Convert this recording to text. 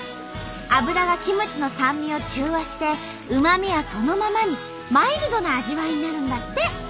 油がキムチの酸味を中和してうま味はそのままにマイルドな味わいになるんだって。